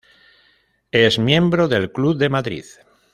Es miembro del Club de Madrid.